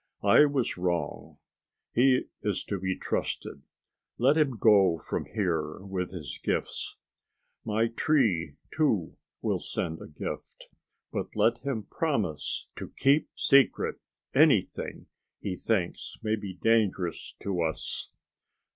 I was wrong. He is to be trusted. Let him go from here with his gifts. My tree, too, will send a gift. But let him promise to keep secret anything he thinks may be dangerous to us."